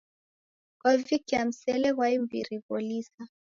Kwavikia msele ghwa imbiri gholisa.